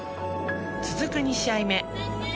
続く２試合目。